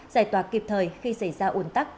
giải tỏa kịp thời khi xảy ra ồn tắc